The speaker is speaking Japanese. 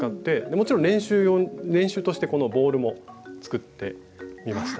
もちろん練習としてこのボールも作ってみました。